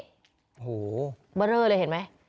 โหบรรเวอร์เลยเห็นมั้ย